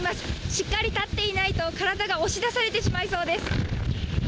しっかり立っていないと体が押し出されてしまいそうです。